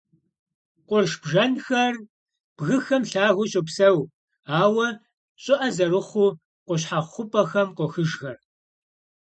Къурш бжэнхэр бгыхэм лъагэу щопсэу, ауэ щӀыӀэ зырыхъуу, къущхьэхъу хъупӀэхэм къохыжхэр.